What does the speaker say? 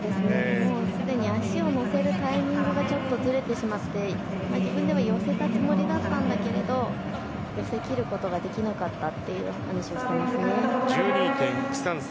すでに足をのせるタイミングがずれてしまって自分でも寄せたつもりだったんですが寄せきることができなかったっていう話をしていますね。１２．１３３。